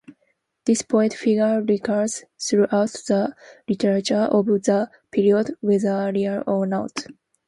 This poet figure recurs throughout the literature of the period, whether real or not.